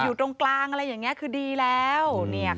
อยู่ตรงกลางอะไรอย่างนี้คือดีแล้ว